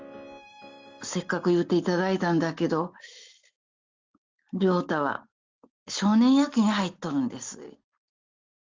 せっかく言っていただいたんだけど、亮太は、少年野球に入っとるんです。